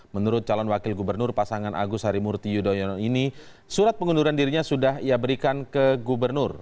menurut calon wakil gubernur pasangan agus harimurti yudhoyono ini surat pengunduran dirinya sudah ia berikan ke gubernur